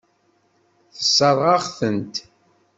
Tessṛeɣ-aɣ-tent.